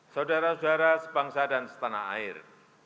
saudara saudara sebangsa dan setanah air